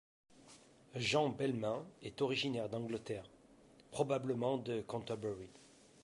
Jean Belles-Mains est originaire d'Angleterre, probablement de Cantorbery.